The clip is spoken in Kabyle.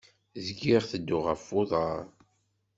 Zgiɣ tedduɣ ɣef uḍar.